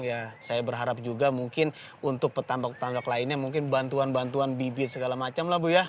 ya saya berharap juga mungkin untuk petambak petambak lainnya mungkin bantuan bantuan bibit segala macam lah bu ya